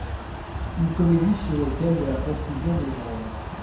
Une comédie sur le thème de la confusion des genres.